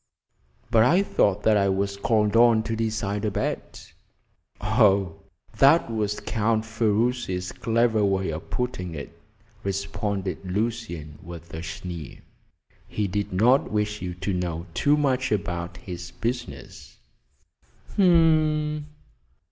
"But I thought that I was called on to decide a bet." "Oh, that was Count Ferruci's clever way of putting it," responded Lucian, with a sneer. "He did not wish you to know too much about his business." "H'm!